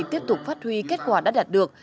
tiếp tục phát huy kết quả đã đạt được